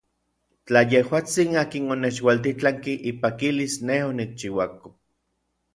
Tla yejuatsin akin onechualtitlanki ipakilis nej onikchiuako.